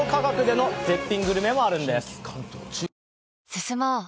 進もう。